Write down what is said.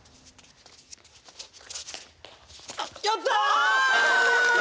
やった！